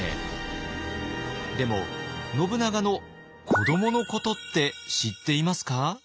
でも信長の子どものことって知っていますか？